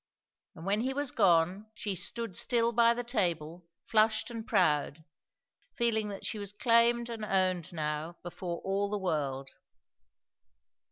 And when he was gone, she stood still by the table, flushed and proud, feeling that she was claimed and owned now before all the world.